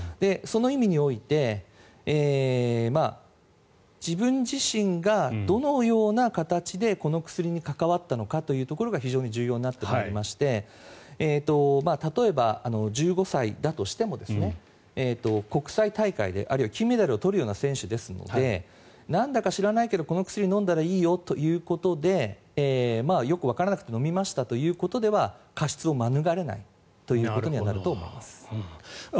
その意味において自分自身がどのような形でこの薬に関わったのかというところが非常に重要になっておりまして例えば１５歳だとしても国際大会であるいは金メダルを取るような選手ですのでなんだか知らないけどこの薬飲んだらいいよということでよくわからなくて飲みましたということでは過失を免れないということになると思います。